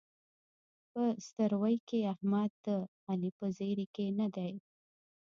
په ستروۍ کې احمد د علي په زېري کې نه دی.